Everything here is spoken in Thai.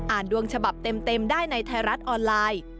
ดวงฉบับเต็มได้ในไทยรัฐออนไลน์